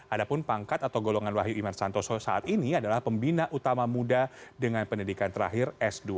ada pun pangkat atau golongan wahyu iman santoso saat ini adalah pembina utama muda dengan pendidikan terakhir s dua